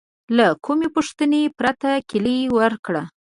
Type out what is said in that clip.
له کومې پوښتنې پرته کیلي ورکړه.